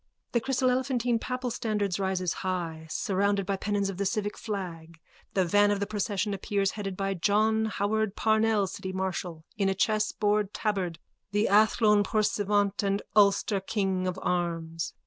The chryselephantine papal standard rises high, surrounded by pennons of the civic flag. The van of the procession appears headed by John Howard Parnell, city marshal, in a chessboard tabard, the Athlone Poursuivant and Ulster King of Arms.